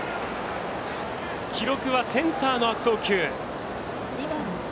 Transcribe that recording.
記録はセンターの悪送球。